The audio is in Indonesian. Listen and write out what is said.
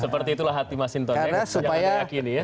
seperti itulah hati mas hinton ya jangan meyakini ya